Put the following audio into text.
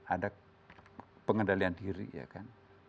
ada pengendalian diri ya kan